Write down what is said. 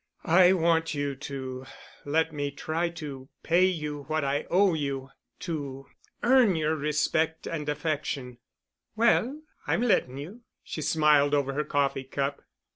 "I want you to let me try to pay you what I owe you—to earn your respect and affection——" "Well, I'm letting you," she smiled over her coffee cup.